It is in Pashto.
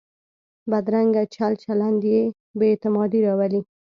بدرنګه چل چلند بې اعتمادي راولي